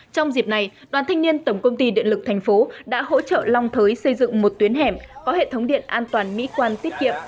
trong dịp này đoàn thanh niên tổng công ty điện lực thành phố đã hỗ trợ long thới xây dựng một tuyến hẻm có hệ thống điện an toàn mỹ quan tiết kiệm